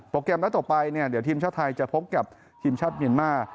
แกรมนัดต่อไปเนี่ยเดี๋ยวทีมชาติไทยจะพบกับทีมชาติเมียนมาร์